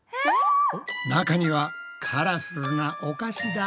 中にはカラフルなお菓子だ。